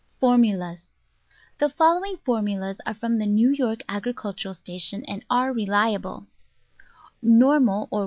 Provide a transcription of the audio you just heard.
Formulas The following formulas are from the New York Agricultural Station and are reliable: Normal, or 1.